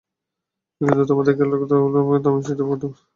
কিন্তু তোমাদের খেয়াল রাখতে গেলে আমি সেটা করতে পারব না, কিন্তু-কিন্তু, বাক!